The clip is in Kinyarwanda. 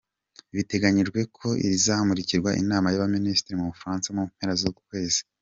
Biteganyijwe ko rizamurikirwa inama y’abaminisitiri mu Bufaransa mu mpera z’uku kwezi.